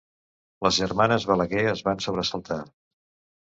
Les germanes Balaguer es van sobresaltar.